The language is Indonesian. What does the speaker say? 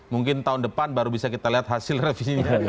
mungkin tahun depan baru bisa kita lihat hasil revisinya